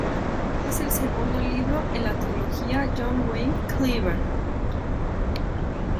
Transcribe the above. Es el segundo libro en la trilogía John Wayne Cleaver.